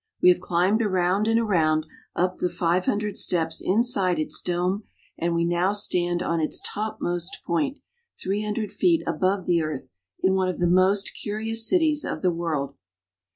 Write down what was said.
We have climbed around and around, up the five hundred steps inside its dome, and we now stand on its topmost point, three hundred feet above the earth, in one of the most curious cities of the world.